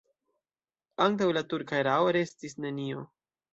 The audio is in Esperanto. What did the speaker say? Antaŭ la turka erao restis nenio.